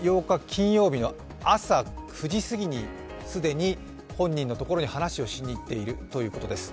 金曜日の朝９時過ぎに既に本人のところに話をしに行っているということです。